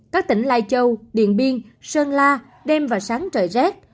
các tỉnh lai châu điện biên sơn la đêm và sáng trời rét